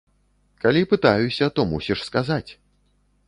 Калі пытаюся, то мусіш сказаць.